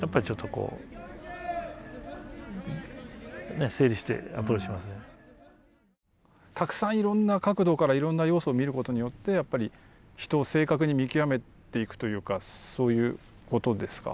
何度か見る中でやっぱりたくさんいろんな角度からいろんな要素を見ることによってやっぱり人を正確に見極めていくというかそういうことですか？